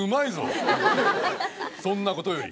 そんなことより。